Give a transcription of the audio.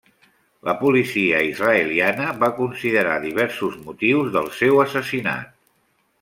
La policia israeliana va considerar diversos motius del seu assassinat.